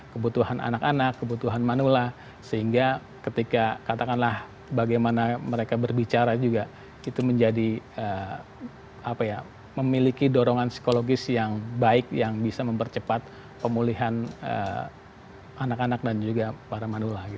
kebutuhan anak anak kebutuhan manula sehingga ketika katakanlah bagaimana mereka berbicara juga itu menjadi memiliki dorongan psikologis yang baik yang bisa mempercepat pemulihan anak anak dan juga para manula